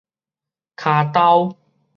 跤兜